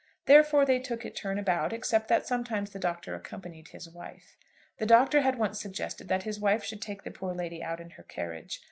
Therefore they took it turn about, except that sometimes the Doctor accompanied his wife. The Doctor had once suggested that his wife should take the poor lady out in her carriage.